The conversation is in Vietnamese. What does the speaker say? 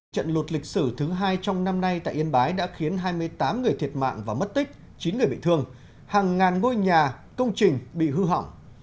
trận lụt lịch sử thứ hai trong năm nay tại yên bái đã khiến hai mươi tám người thiệt mạng và mất tích chín người bị thương hàng ngàn ngôi nhà công trình bị hư hỏng